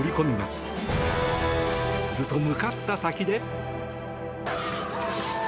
すると、向かった先で。